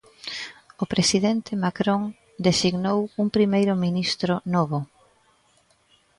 O presidente Macron designou un primeiro ministro novo.